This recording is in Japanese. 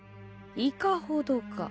いかほどか？